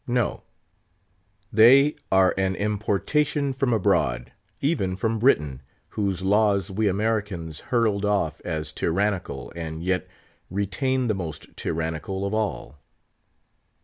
No; they are an importation from abroad, even from Britain, whose laws we Americans hurled off as tyrannical, and yet retained the most tyrannical of all.